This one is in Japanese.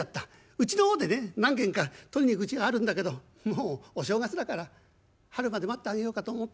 うちの方でね何軒か取りに行くうちがあるんだけどもうお正月だから春まで待ってあげようかと思って」。